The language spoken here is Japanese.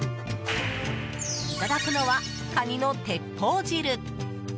いただくのはカニの鉄砲汁。